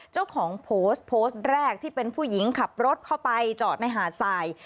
เจ้าของโพสต์โพสต์แรกที่เป็นผู้หญิงขับรถเข้าไปจอดในหาดทราย